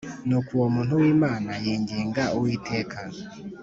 Nuko uwo muntu w’Imana yinginga Uwiteka